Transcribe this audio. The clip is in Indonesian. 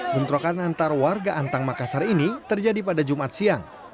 bentrokan antar warga antang makassar ini terjadi pada jumat siang